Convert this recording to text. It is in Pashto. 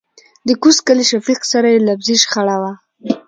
دکوز کلي شفيق سره يې لفظي شخړه وه .